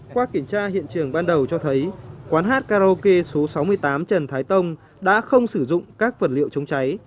qua kiểm tra hiện trường ban đầu cho thấy quán hát karaoke số sáu mươi tám trần thái tông đã không sử dụng các vật liệu chống cháy